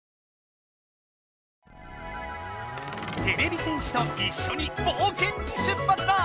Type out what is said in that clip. てれび戦士といっしょにぼうけんに出ぱつだ！